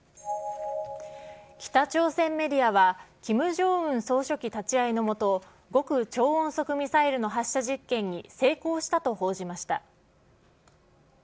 北朝鮮メディアは、キム・ジョンウン総書記立ち会いの下、極超音速ミサイルの発射実験に成功したと報じました。